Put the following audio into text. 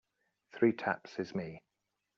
Three taps is me.